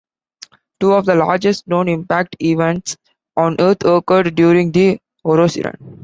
Two of the largest known impact events on Earth occurred during the Orosirian.